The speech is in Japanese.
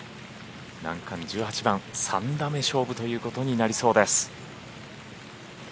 難関・１８番３打目勝負ということになりそうです。